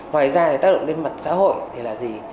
ngoài ra thì tác động lên mặt xã hội thì là gì